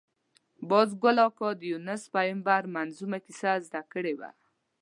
باز ګل کاکا د یونس پېغمبر منظمومه کیسه زده کړې وه.